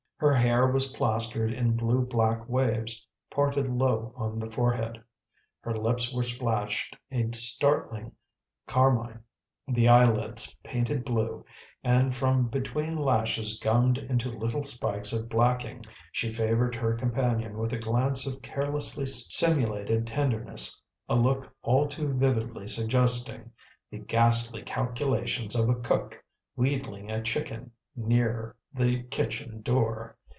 Her hair was plastered in blue black waves, parted low on the forehead; her lips were splashed a startling carmine, the eyelids painted blue; and, from between lashes gummed into little spikes of blacking, she favoured her companion with a glance of carelessly simulated tenderness, a look all too vividly suggesting the ghastly calculations of a cook wheedling a chicken nearer the kitchen door.